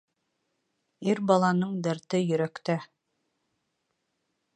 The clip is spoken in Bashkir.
Ир баланың дәрте йөрәктә.